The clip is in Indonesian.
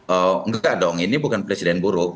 enggak dong ini bukan presiden buruk